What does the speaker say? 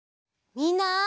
みんな。